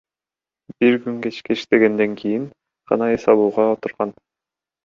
Бир күн кечке иштегенден кийин гана ал эс алууга отурган.